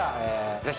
ぜひ。